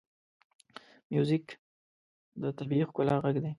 موزیک د طبیعي ښکلا غږ دی.